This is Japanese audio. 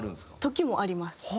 時もあります。